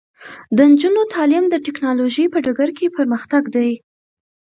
د نجونو تعلیم د ټیکنالوژۍ په ډګر کې پرمختګ دی.